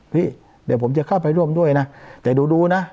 พี่เดี๋ยวผมจะเข้าไปร่วมด้วยนะแต่ดูนะ